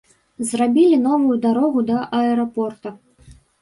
Зрабілі новую дарогу да аэрапорта.